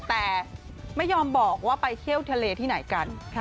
แต่ไม่ยอมบอกว่าไปเที่ยวทะเลที่ไหนกัน